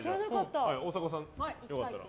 大迫さん、良かったら。